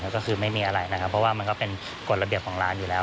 ก็คือไม่มีอะไรนะครับเพราะว่ามันก็เป็นกฎระเบียบของร้านอยู่แล้ว